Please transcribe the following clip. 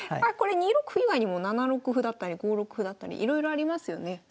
これ２六歩以外にも７六歩だったり５六歩だったりいろいろありますよね。